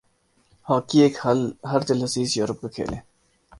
hockey ایک ہردلعزیز Europe کا کھیل ہے